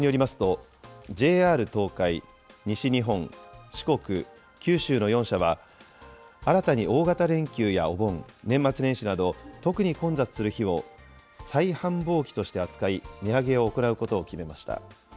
発表によりますと、ＪＲ東海、西日本、四国、九州の４社は、新たに大型連休やお盆、年末年始など、特に混雑する日を最繁忙期として扱い、値上げを行うことを決めました。